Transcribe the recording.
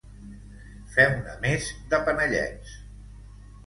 Feu-ne més, de panellets!